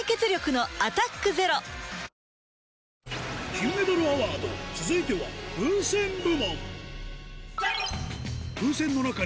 金メダルアワード続いてはスタート！